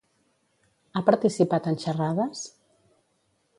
Ha participat en xerrades?